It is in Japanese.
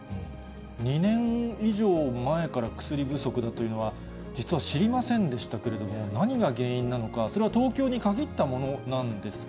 ２年以上前から薬不足だというのは、実は知りませんでしたけれども、何が原因なのか、それは東京に限ったものなんですか。